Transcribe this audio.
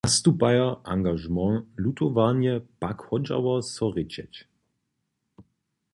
Nastupajo angažement lutowarnje pak hodźało so rěčeć.